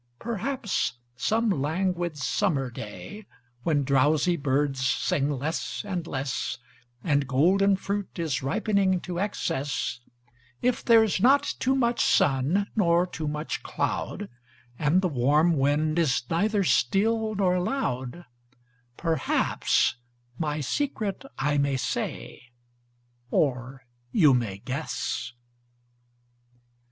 Perhaps some languid summer day, When drowsy birds sing less and less, And golden fruit is ripening to excess, If there's not too much sun nor too much cloud, And the warm wind is neither still nor loud, Perhaps my secret I may say, Or you may guess.